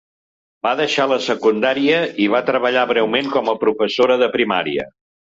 Va deixar la secundària i va treballar breument com a professora de primària.